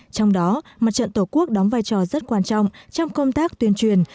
trong đó mặt trận tổ quốc đóng vai trò rất quan trọng trong công tác tuyên truyền